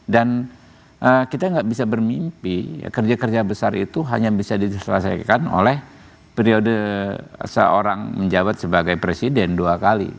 kita nggak bisa bermimpi kerja kerja besar itu hanya bisa diselesaikan oleh periode seorang menjabat sebagai presiden dua kali